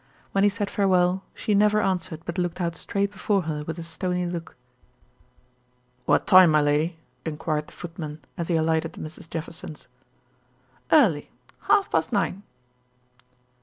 When he said farewell, she never answered but looked out straight before her with a stony look. "What time, my lady?" inquired the footman, as he alighted at Mrs. Jefferson's. "Early. Half past nine."